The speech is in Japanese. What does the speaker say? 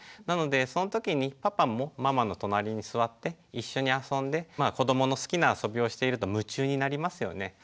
なのでその時にパパもママの隣に座って一緒に遊んでまあ子どもの好きな遊びをしていると夢中になりますよね。